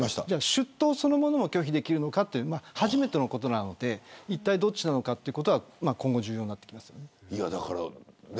出頭そのものを拒否できるのかというのは初めてのことなのでいったいどっちなのかというのが今後重要になってきます。